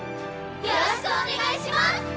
よろしくお願いします！